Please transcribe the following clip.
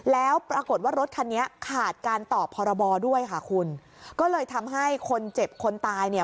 แล้วปรากฏว่ารถคันนี้ขาดการต่อพรบด้วยค่ะคุณก็เลยทำให้คนเจ็บคนตายเนี่ย